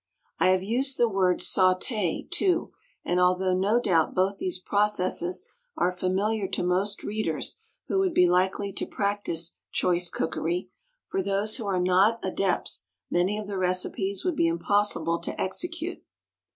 I have used the word sauté too, and although no doubt both these processes are familiar to most readers who would be likely to practise "Choice Cookery," for those who are not adepts many of the recipes would be impossible to execute.